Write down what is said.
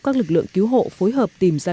các lực lượng cứu hộ phối hợp tìm ra